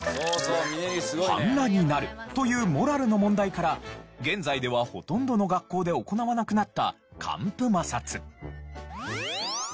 半裸になるというモラルの問題から現在ではほとんどの学校で行わなくなった乾布摩擦。